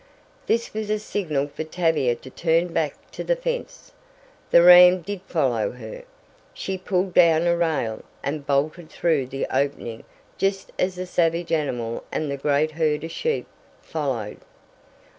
This was a signal for Tavia to turn back to the fence. The ram did follow her. She pulled down a rail, and bolted through the opening just as the savage animal and the great herd of sheep followed.